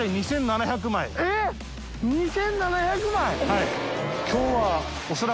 はい。